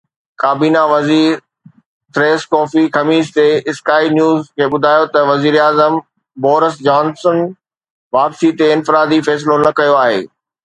ڪابينا وزير ٿريس ڪوفي خميس تي اسڪائي نيوز کي ٻڌايو ته وزير اعظم بورس جانسن واپسي تي انفرادي فيصلو نه ڪيو آهي.